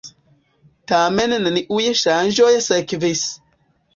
Tamen neniuj ŝanĝoj sekvis.